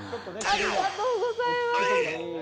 ありがとうございます。